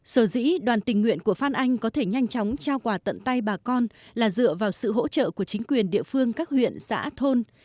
sở dĩ đoàn tình nguyện của phan anh có thể nhanh chóng trao quà tận tay bà con là dựa vào sự hỗ trợ của chính quyền địa phương các huyện xã thôn